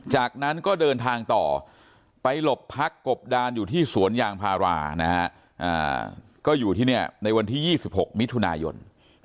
จากนั้นก็เดินทางต่อไปหลบพักกบดานอยู่ที่สวนยางพารานะฮะก็อยู่ที่นี่ในวันที่๒๖มิถุนายน